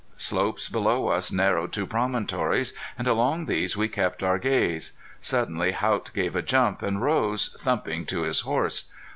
Slopes below us narrowed to promontories and along these we kept our gaze. Suddenly Haught gave a jump, and rose, thumping to his horse.